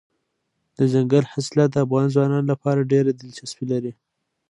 دځنګل حاصلات د افغان ځوانانو لپاره ډېره دلچسپي لري.